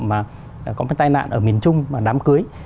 mà có một tai nạn ở miền trung mà đám cưới